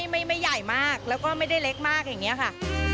ไม่ใหญ่มากแล้วก็ไม่ได้เล็กมากอย่างนี้ค่ะ